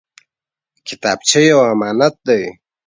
کتابچه یو امانت دی